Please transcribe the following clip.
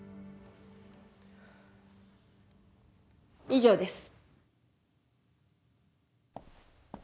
以上です。